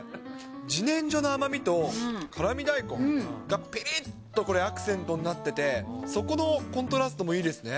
じねんじょの甘みと辛み大根がぴりっとこれ、アクセントになってて、そこのコントラストもいいですね。